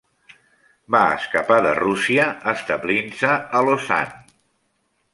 Va escapar de Rússia, establint-se a Lausana.